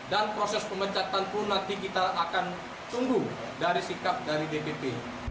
dan proses pemecatan pun nanti kita akan tunggu dari sikap dari dpp